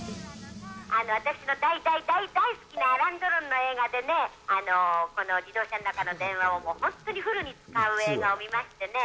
私の大大大大大好きなアラン・ドロンの映画でね、この自動車の中の電話を、本当にフルに使う映画を見ましてね。